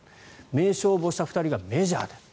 名勝負をした２人がメジャーで。